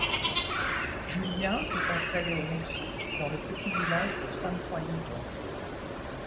Julien s'est installé au Mexique, dans le petit village de San Juanito.